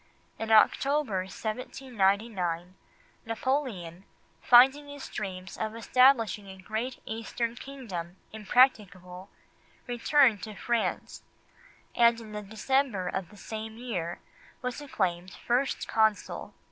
In October 1799, Napoleon, finding his dreams of establishing a great Eastern kingdom impracticable, returned to France, and in the December of the same year was acclaimed First Consul.